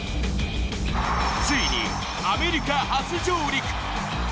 ついにアメリカ初上陸。